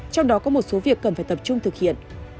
trong đó có một số việc cần phải tập trung thực hiện